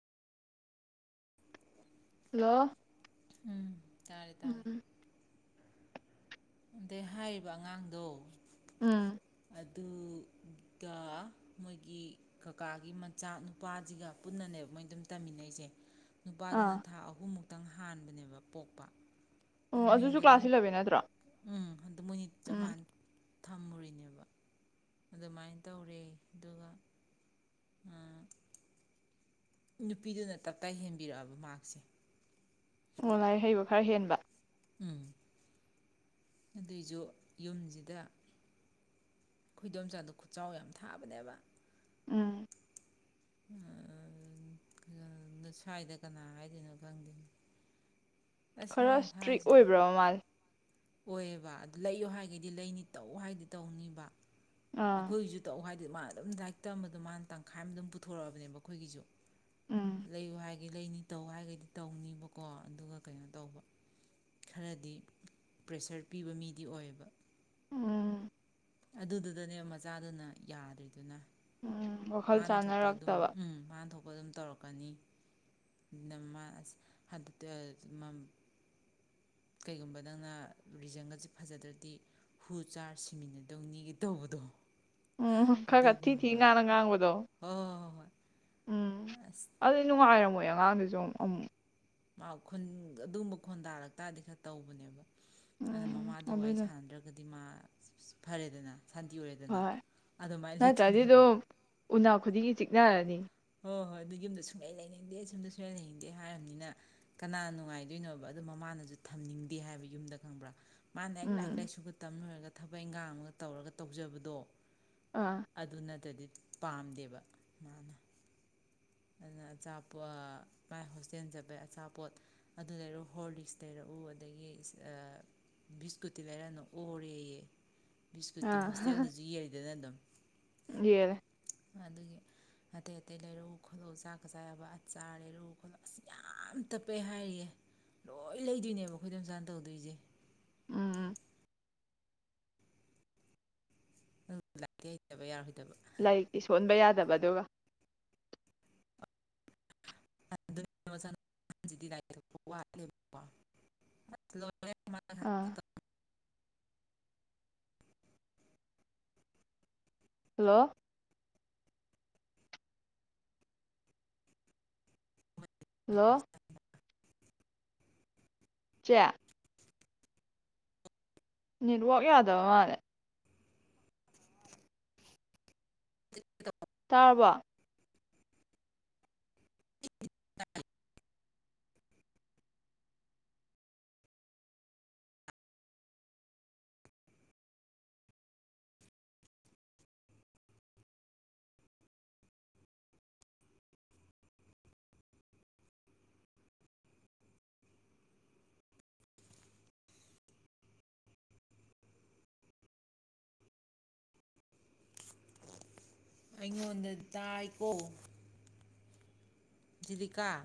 hello ꯎꯝ ꯇꯥꯔꯦ ꯇꯥꯔꯦ ꯎꯝ ꯑꯗꯩ ꯍꯥꯏꯔꯤꯕ ꯑꯉꯥꯡꯗꯣ ꯎꯝ ꯑꯗꯨꯒ ꯃꯣꯏꯒꯤ ꯀꯀꯥꯒꯤ ꯃꯆꯥ ꯅꯨꯄꯥꯁꯤꯒ ꯄꯨꯟꯅꯅꯦꯕ ꯃꯣꯏ ꯑꯗꯨꯝ ꯇꯝꯃꯤꯟꯅꯩꯁꯦ ꯅꯨꯄꯥꯗꯨꯅ ꯑꯥ ꯊꯥ ꯑꯍꯨꯝꯃꯨꯛ ꯈꯤꯇꯪ ꯍꯥꯟꯕꯅꯦꯕ ꯄꯣꯛꯄ ꯑꯗꯨ ꯑꯣ ꯑꯗꯨꯁꯨ ꯃꯤꯡꯒ ꯑꯗꯨꯝ ꯀ꯭ꯂꯥꯁ ꯏꯂꯚꯦꯟ ꯅꯠꯇ꯭ꯔꯣ ꯎꯝ ꯑꯗꯨ ꯃꯣꯏꯅꯤ ꯆꯞ ꯎꯝ ꯃꯥꯟꯅꯦ ꯊꯝꯃꯨꯔꯤꯅꯦꯕ ꯑꯗꯨꯃꯥꯏꯅ ꯇꯧꯔꯦ ꯑꯗꯨꯒ ꯑ ꯅꯨꯄꯤꯗꯨꯅ ꯇꯞꯇꯥ ꯍꯦꯟꯕꯤꯔꯛꯑꯕ ꯃꯥ꯭ꯔꯛꯁꯦ ꯑꯣ ꯂꯥꯏꯔꯤꯛ ꯍꯩꯕ ꯈꯔ ꯍꯦꯟ ꯕ ꯎꯝ ꯑꯗꯨꯏꯁꯨ ꯌꯨꯝꯁꯤꯗ ꯈꯣꯏꯗꯣꯝꯆꯥꯥꯗꯣ ꯈꯨꯠꯆꯥꯎ ꯌꯥꯝ ꯊꯥꯕꯅꯦꯕ ꯎꯝ ꯁ꯭ꯋꯥꯏꯗ ꯀꯅꯥ ꯍꯥꯏꯗꯣꯏꯅꯣ ꯈꯪꯗꯦ ꯑꯁ ꯈꯔ ꯃꯥꯅ ꯏꯁꯇ꯭ꯔꯤꯛ ꯍꯥꯏꯁꯤꯗꯤ ꯑꯣꯏꯕ꯭ꯔꯣ ꯃꯥꯖꯦ ꯑꯣꯏꯌꯦꯕ ꯑꯗꯨ ꯂꯩꯌꯨ ꯍꯥꯏꯒꯗꯤ ꯂꯩꯅꯤ ꯇꯧ ꯍꯥꯏꯗꯤ ꯇꯧꯅꯤꯕ ꯑꯥ ꯑꯩꯈꯣꯏꯒꯤꯁꯨ ꯇꯧ ꯍꯥꯏ ꯑꯃꯥ ꯑꯗꯨꯝ ꯂꯥꯏꯔꯤꯛ ꯇꯝꯕꯗꯣ ꯃꯥꯅ ꯇꯪꯈꯥꯏ ꯑꯃ ꯑꯗꯨꯝ ꯄꯨꯊꯣꯔꯛꯑꯕꯅꯦꯕ ꯑꯩꯈꯣꯏꯒꯤꯁꯨ ꯎꯝ ꯂꯩꯌꯨ ꯍꯥꯏ ꯒꯤ ꯂꯩꯅꯤ ꯇꯧ ꯍꯥꯏꯒꯩꯗꯤ ꯇꯧꯅꯤꯕꯀꯣ ꯑꯗꯨꯒ ꯀꯩꯅꯣ ꯇꯧꯕ ꯈꯔꯗꯤ ꯄ꯭ꯔꯦꯁꯔ ꯄꯤꯕ ꯃꯤꯗꯤ ꯑꯣꯏꯌꯦꯕ ꯑꯝ ꯑꯗꯨꯗꯨꯗꯅꯦ ꯃꯆꯥꯗꯨꯅ ꯌꯥꯗ꯭ꯔꯤꯗꯨꯅ ꯎꯝ ꯋꯥꯈꯜ ꯃꯥꯅ ꯊꯣꯛꯄ ꯑꯗꯨꯝ ꯆꯥꯟꯅꯔꯛꯇꯕ ꯎꯝ ꯃꯥꯅ ꯊꯣꯛꯄ ꯑꯗꯨꯝ ꯇꯧꯔꯛꯀꯅꯤ [inaudible] ꯀꯩꯒꯨꯝꯕ ꯅꯪꯅ ꯔꯤꯖꯟꯒꯁꯦ ꯐꯖꯗ꯭ꯔꯗꯤ ꯍꯨ ꯆꯥꯔ ꯁꯤꯃꯤꯟꯅꯗꯧꯅꯤꯒ ꯇꯧꯕꯗꯣ ꯎꯝ ꯈꯔ ꯈꯔ ꯊꯤ ꯊꯤ ꯑꯗꯨꯒꯨꯝꯕ ꯉꯥꯡꯅ ꯉꯥꯡꯕꯗꯣ ꯍꯣꯏ ꯍꯣꯏ ꯍꯣꯏ ꯎꯝ ꯍꯣꯏ ꯑꯁ ꯑꯗꯨꯗꯤ ꯅꯨꯡꯉꯥꯏꯔꯝꯃꯣꯏ ꯑ ꯉꯥꯡꯗꯨꯁꯨ ꯑꯝ ꯃ ꯈꯨꯟ ꯑꯗꯨꯒꯨꯝꯕ ꯈꯣꯟꯗꯥ ꯂꯛꯇꯥꯗꯤ ꯈꯔ ꯇꯧꯕꯅꯦꯕ ꯑꯅ ꯎꯝ ꯃꯃꯥꯗ ꯋꯥꯔꯤ ꯑꯗꯨꯅ ꯁꯥꯟꯅꯗ꯭ꯔꯒꯗꯤ ꯗꯤꯃꯥ ꯐꯔꯦꯗꯅ ꯁꯥꯟꯇꯤ ꯑꯣꯏꯔꯦꯗꯅ ꯍꯣꯏ ꯑꯗꯨꯃꯥꯏꯅ ꯂꯩꯇꯣꯏꯅꯦꯕ ꯎꯅꯥ ꯈꯨꯗꯤꯡꯒꯤ ꯆꯤꯛꯅꯔꯅꯤ ꯍꯣꯏ ꯍꯣꯏ ꯑꯗꯨ ꯌꯨꯝꯗ ꯁꯨꯡꯂꯩ ꯂꯩꯅꯤꯡꯗꯦ ꯌꯨꯝꯗ ꯁꯨꯡꯂꯩ ꯂꯩꯅꯤꯡꯗꯦ ꯍꯥꯏꯔꯕꯅꯤꯅ ꯀꯅꯥ ꯅꯨꯡꯉꯥꯏꯗꯣꯏꯅꯣꯕ ꯑꯗꯣ ꯃꯃꯥꯅꯁꯨ ꯊꯝꯅꯤꯡꯗꯦ ꯍꯥꯏꯕ ꯌꯨꯝꯗ ꯈꯪꯕ꯭ꯔꯥ ꯃꯥꯥꯟꯅ ꯍꯦꯛ ꯎꯝ ꯂꯥꯏꯔꯤꯛ ꯂꯥꯏꯁꯨꯒ ꯇꯝ ꯂꯣꯏꯔꯒ ꯊꯕꯛ ꯏꯪꯈꯥꯡ ꯑꯃꯒ ꯇꯧꯔꯒ ꯇꯧꯖꯕꯗꯣ ꯑꯥ ꯑꯗꯨꯅꯠꯇꯗꯤ ꯄꯥꯝꯗꯦꯕ ꯃꯥꯅ ꯑꯗꯨꯅ ꯑꯆꯥꯄꯣꯠ ꯃꯥꯏ ꯍꯣꯁꯇꯦꯜ ꯆꯠꯄꯩ ꯑꯆꯥꯄꯣꯠ ꯑꯗꯨ ꯂꯩꯔꯛꯎ ꯍꯣꯔ ꯂꯤꯛꯁ ꯂꯩꯔꯛꯎ ꯑꯗꯒꯤ ꯕꯤꯁꯀꯨꯠꯇꯤ ꯂꯩꯔꯛꯅꯨ ꯑꯣꯔꯦꯌꯦ ꯕꯤꯁꯀꯨꯠꯇꯤ ꯑꯥ ꯍꯣꯁꯇꯦꯜꯗꯁꯨ ꯌꯦꯟꯂꯤꯗꯅ ꯑꯗꯨꯝ ꯌꯦꯜꯂꯦ ꯑꯗꯨꯒꯤ ꯑꯇꯩ ꯑꯇꯩ ꯂꯩꯔꯛꯎ ꯈꯣꯂꯧ ꯆꯥꯛꯀ ꯆꯥ ꯌꯥꯕ ꯑꯆꯥ꯭ꯔ ꯂꯩꯔꯛꯎ ꯈꯣꯠꯂꯛꯎ ꯑꯁ ꯌꯥꯝ ꯇꯞꯄꯦ ꯍꯥꯏꯔꯤꯌꯦ ꯂꯣꯏ ꯂꯩꯗꯣꯏꯅꯦꯕ ꯑꯩꯈꯣꯏ ꯗꯣꯝꯆꯥꯥꯅ ꯇꯧꯗꯣꯏꯁꯦ ꯎꯝ ꯑꯗꯨꯒ ꯂꯥꯏꯔꯤꯛꯇꯤ ꯍꯩꯇꯕ ꯌꯔꯣꯏꯗꯕ ꯂꯥꯏꯔꯤꯛꯇꯤ ꯁꯣꯟꯕ ꯌꯥꯗꯕ ꯑꯗꯨꯒ [inaudible] ꯃꯥꯅ ꯑꯥ ꯈꯛꯇ ꯇꯧ, ꯍꯜꯂꯣ ꯍꯜꯂꯣ ꯆꯦ ꯅꯦꯠꯋꯣꯛ ꯌꯥꯗꯕ ꯃꯥꯜꯂꯦ [inaudible] ꯇꯥꯔꯕꯣ [inaudible] ꯑꯩꯉꯣꯟꯗ ꯇꯥꯏꯀꯣ ꯖꯤꯔꯤꯀꯥ